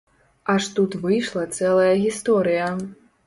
Аж тут выйшла цэлая гісторыя.